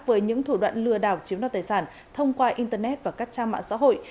với những thủ đoạn lừa đảo chiếm đoạt tài sản thông qua internet và các trang mạng xã hội